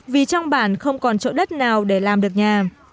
vì trong bản không còn chỗ đất nào để làm được nhà